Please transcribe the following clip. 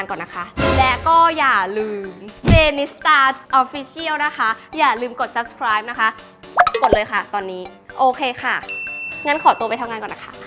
งั้นขอตัวไปทำงานก่อนนะคะบ๊าย